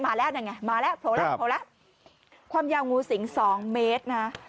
มาแล้วนะไงมาแล้วพอแล้วพอแล้วความยาวงูสิงสองเมตรนะฮะ